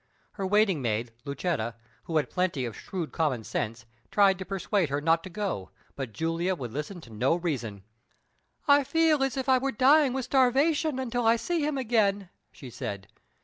Her waiting maid, Lucetta, who had plenty of shrewd common sense, tried to persuade her not to go, but Julia would listen to no reason. "I feel as if I were dying with starvation until I see him again," she said.